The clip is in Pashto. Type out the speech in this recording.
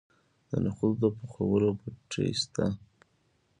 د نخودو د پخولو بټۍ شته.